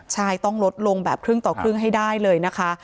ใช่ต้องลดลงแบบครึ่งต่อครึ่งให้ได้เลยนะคะ